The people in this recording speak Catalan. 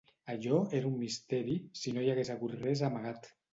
Allò era un misteri, si no hi hagués hagut res amagat